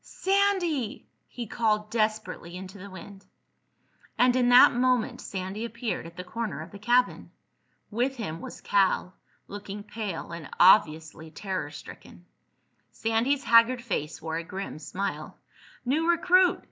Sandy!" he called desperately into the wind. And in that moment Sandy appeared at the corner of the cabin. With him was Cal, looking pale and obviously terror stricken. Sandy's haggard face wore a grim smile. "New recruit!"